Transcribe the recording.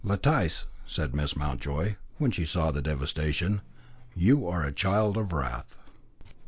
"Letice," said Miss Mountjoy, when she saw the devastation, "you are a child of wrath."